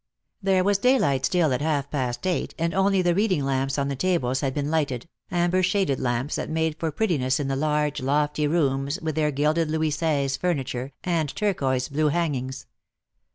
There was daylight still at half past eight, and only the reading lamps on the tables had been lighted, amber shaded lamps that made for pretti ness in the large, lofty rooms with their gilded Louis Seize furniture, and turquoise blue hangings. DEAD LOVE HAS CHAINS.